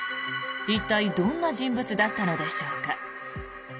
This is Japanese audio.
一体どんな人物だったのでしょうか。